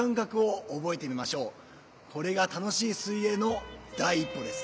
これが楽しい水泳の第一歩です。